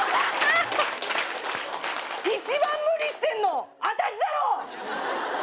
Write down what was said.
一番無理してんのあたしだろ！